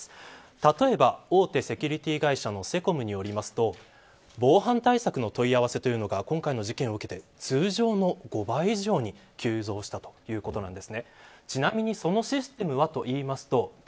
例えば大手セキュリティー会社のセコムによりますと防犯対策の問い合わせというのが今回の事件を受けて通常の５倍以上に急増したということなんです。